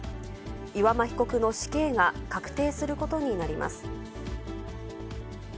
岩間被告の死刑が確定することになります。